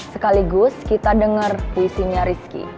sekaligus kita dengar puisinya rizky